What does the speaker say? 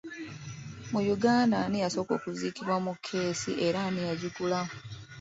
Mu Uganda ani yasooka okuziikibwa mu kkeesi era ani yagigula?